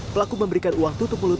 pelaku memberikan uang tutup mulut